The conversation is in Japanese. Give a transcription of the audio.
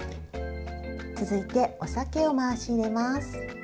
続いてお酒を回し入れます。